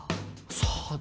さあ。